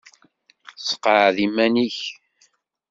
Seqɛed iman-ik.